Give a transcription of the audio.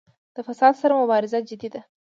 د فساد سره مبارزه جدي ده؟